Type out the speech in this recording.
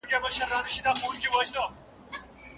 څوک چي معلومات شریکوي د نورو په پرتله ډېر درناوی لري.